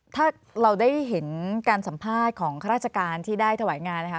ถ้าเราได้เห็นการสัมภาษณ์ของข้าราชการที่ได้ถวายงานนะคะ